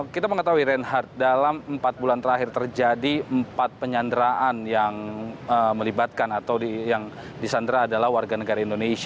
kita mengetahui reinhardt dalam empat bulan terakhir terjadi empat penyanderaan yang melibatkan atau yang disandra adalah warga negara indonesia